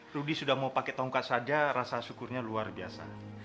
rudy sudah mau pakai tongkat saja rasa syukurnya luar biasa